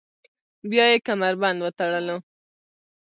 بیا یې کمربند وتړلو.